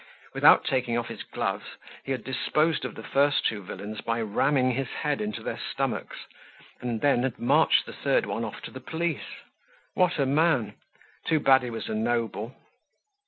Without taking off his gloves, he had disposed of the first two villains by ramming his head into their stomachs, and then had marched the third one off to the police. What a man! Too bad he was a noble.